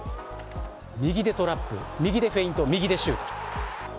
右でトラップ、右でフェイント右でシュート。